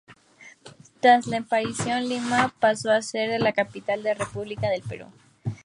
Tras la emancipación, Lima pasó a ser la capital de la República del Perú.